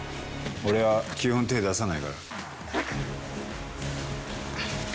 俺は基本手ぇ出さないから。